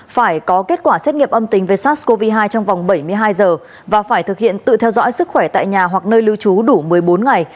phải có kết quả xét nghiệm âm tính với sars cov hai trong vòng bảy mươi hai giờ và phải thực hiện tự theo dõi sức khỏe tại nhà hoặc nơi lưu trú đủ một mươi bốn ngày